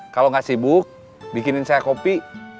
kalau nggak sibuk bikinin saya kopi